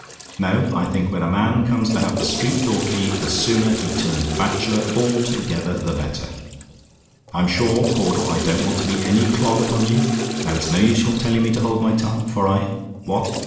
"No, I think when a man comes to have the street door key, the sooner he turns bachelor altogether the better. I'm sure, Caudle, I don't want to be any clog upon you. Now, it's no use your telling me to hold my tongue, for I What?